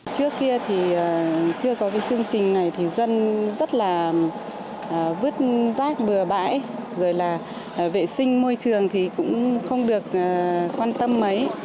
trước kia thì chưa có cái chương trình này thì dân rất là vứt rác bừa bãi rồi là vệ sinh môi trường thì cũng không được quan tâm mấy